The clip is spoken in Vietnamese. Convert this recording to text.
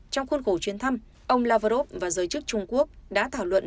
trong khuôn khổ chuyến thăm ông lavrov và giới chức trung quốc đã thảo luận